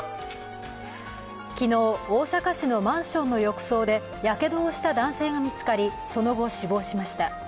昨日、大阪市のマンションの浴槽でやけどをした男性が見つかり、その後、死亡しました。